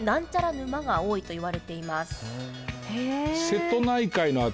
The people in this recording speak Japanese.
沼が多いといわれています。